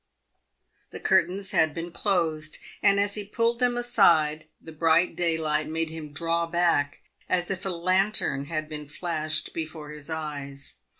The curtains had been closed, and as he pulled them aside the bright daylight made him draw back, as if a lantern had been flashed before his eyes.